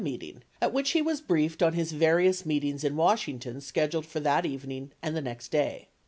meeting at which he was briefed on his various meetings in Washington scheduled for that evening and the next day.